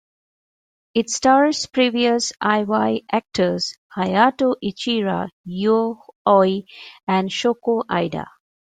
It stars previous Iwai actors Hayato Ichihara, Yu Aoi and Shoko Aida.